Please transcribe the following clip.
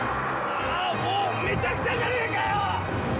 ああもうめちゃくちゃじゃねえかよ！